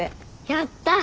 やった！